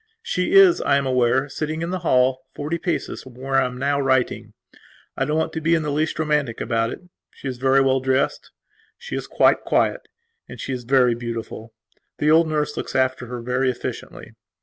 She is, I am aware, sitting in the hall, forty paces from where I am now writing. I don't want to be in the least romantic about it. She is very well dressed; she is quite quiet; she is very beautiful. The old nurse looks after her very efficiently.